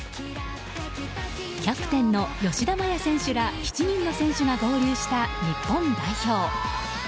キャプテンの吉田麻也選手ら７人の選手が合流した日本代表。